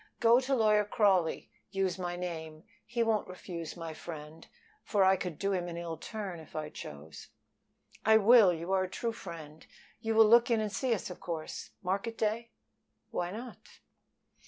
Go to Lawyer Crawley. Use my name. He won't refuse my friend, for I could do him an ill turn if I chose." "I will. You are a true friend. You will look in and see us, of course, market day?" "Why not?"